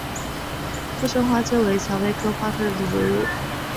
附生花楸为蔷薇科花楸属的植物。